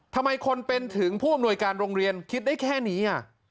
ทำไมคนเป็นถึงผู้อำนวยการโรงเรียนคิดได้แค่นี้